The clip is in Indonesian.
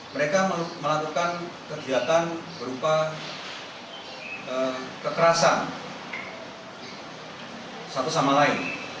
mereka melakukan kegiatan berupa kekerasan satu sama lain